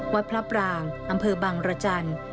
วัดพระปรางอำเภอบังรจันทร์